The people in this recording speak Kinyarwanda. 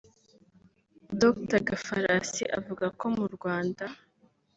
Dr Gafarasi avuga ko mu Rwanda